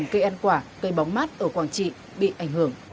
cây ăn quả cây bóng mát ở quảng trị bị ảnh hưởng